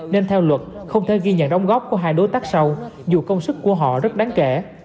nên theo luật không thể ghi nhận đóng góp của hai đối tác sau dù công sức của họ rất đáng kể